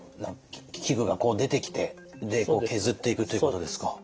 器具がこう出てきて削っていくということですか。